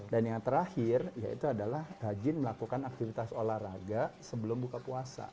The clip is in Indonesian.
dan yang terakhir yaitu adalah hajin melakukan aktivitas olahraga sebelum buka puasa